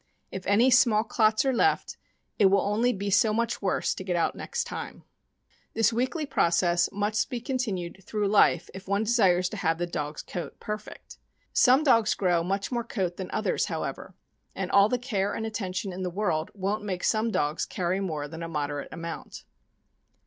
If any small clots are left, it will only be so much worse to get out next time. 446 THE AMERICAN BOOK OF THE DOG. This weekly process must be continued through life, if one desires to have the dog's coat perfect. Some dogs grow much more coat than others, however, and all the care and attention in the world won't make some dogs carry more than a moderate amount.